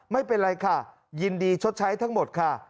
ไม่เป็นไรค่ะยินดีชดใช้ทั้งหมดค่ะ